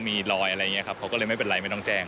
มีรอยอะไรอย่างนี้ครับเขาก็เลยไม่เป็นไรไม่ต้องแจ้ง